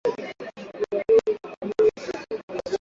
mkulima anapoviacha viazi kwa mda mrefu viazi huoza